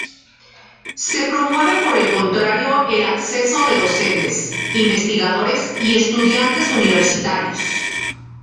Se promueve por el contrario el acceso de docentes, investigadores y estudiantes universitarios.